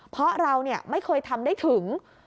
เพราะเราไม่เคยทำได้ถึง